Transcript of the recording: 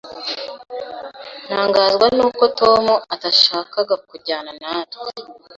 Ntangazwa nuko Tom atashakaga kujyana natwe.